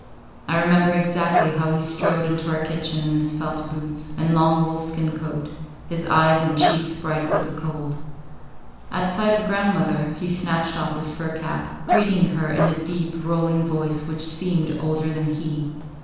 I remember exactly how he strode into our kitchen in his felt boots and long wolfskin coat, his eyes and cheeks bright with the cold. At sight of grandmother, he snatched off his fur cap, greeting her in a deep, rolling voice which seemed older than he.